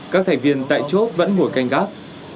các thành viên tại chốt vẫn ngồi canh gác